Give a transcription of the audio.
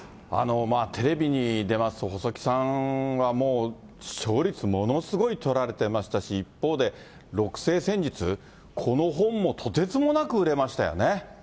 テレビに出ますと、細木さんはもう、視聴率ものすごい取られてましたし、一方で、六星占術、この本もとてつもなく売れましたよね。